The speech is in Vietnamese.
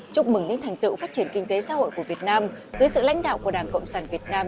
chúc mừng những thành tựu phát triển kinh tế xã hội của việt nam dưới sự lãnh đạo của đảng cộng sản việt nam